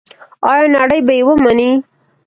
آیا نړۍ به یې ومني؟